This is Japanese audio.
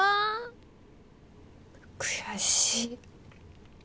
悔しい。